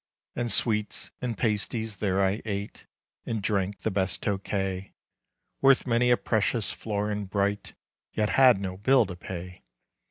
And sweets and pasties there I ate, And drank the best Tokay, Worth many a precious florin bright, Yet had no bill to pay.